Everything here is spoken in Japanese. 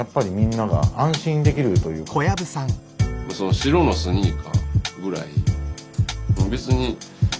白のスニーカーぐらい。